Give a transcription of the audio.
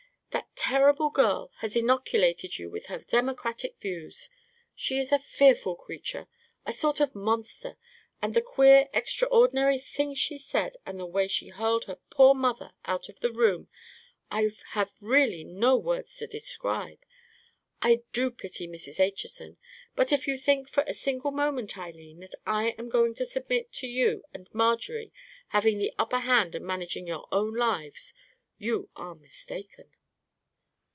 That terrible girl has inoculated you with her democratic views. She is a fearful creature, a sort of monster; and the queer, extraordinary things she said, and the way she hurled her poor mother out of the room, I have really no words to describe. I do pity Mrs. Acheson; but if you think for a single moment, Eileen, that I am going to submit to you and Marjorie having the upper hand and managing your own lives, you are mistaken."